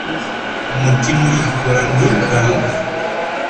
umutima urikora ndikanga,